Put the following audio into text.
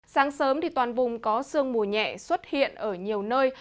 sáng sớm toàn vùng có sương mùa nhẹ xuất hiện ở nhiều nơi